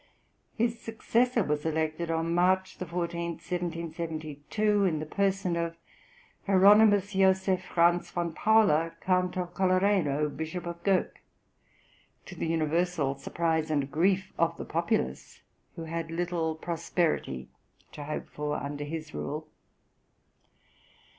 His successor was elected on March 14, 1772, in the person of Hieronymus Joseph Franz v. Paula, Count of Colloredo, Bishop of Gurk; to the universal surprise and grief of the populace, who had little prosperity to hope for under his rule.